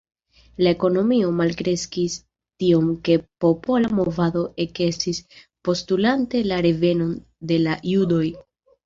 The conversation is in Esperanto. La ekonomio malkreskis tiom ke popola movado ekestis postulante la revenon de la judoj.